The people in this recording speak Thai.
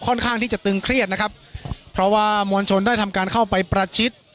ข้างที่จะตึงเครียดนะครับเพราะว่ามวลชนได้ทำการเข้าไปประชิด